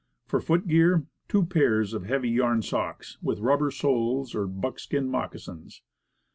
For foot gear, two pairs of heavy yarn socks, with rubber shoes or buck skin moccasins.